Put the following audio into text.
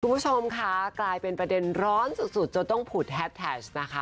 คุณผู้ชมค่ะกลายเป็นประเด็นร้อนสุดจนต้องผุดแฮดแท็กนะคะ